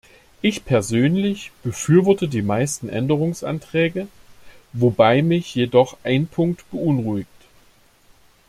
Ich persönlich befürworte die meisten Änderungsanträge, wobei mich jedoch ein Punkt beunruhigt.